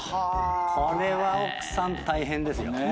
これは奥さん大変ですよ。